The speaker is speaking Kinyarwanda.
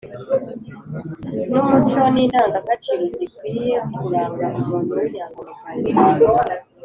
n’umuco n’indangagaciro zikwiye kuranga umuntu w’inyangamugayo